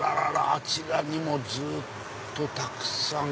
あちらにもずっとたくさん。